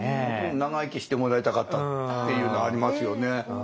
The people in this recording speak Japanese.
もっと長生きしてもらいたかったっていうのありますよね。